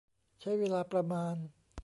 ใช้เวลาประมาณ